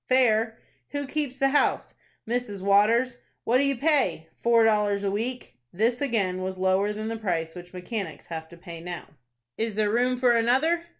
"Fair." "Who keeps the house?" "Mrs. Waters." "What do you pay?" "Four dollars a week." This again was lower than the price which mechanics have to pay now. "Is there room for another?"